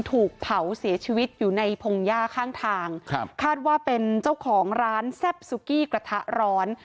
ถูกเผาเสียชีวิตอยู่ในพงหญ้าข้างทางครับคาดว่าเป็นเจ้าของร้านแซ่บซุกี้กระทะร้อน